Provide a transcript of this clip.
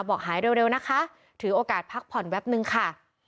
หายเร็วนะคะถือโอกาสพักผ่อนแวบนึงค่ะ